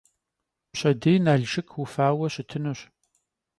Пщэдей Налшык уфауэ щыщытынущ.